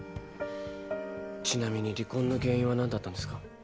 ちなみに離婚の原因は何だったんですか？